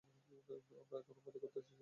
আমরা এখানে মজা করতে এসেছি।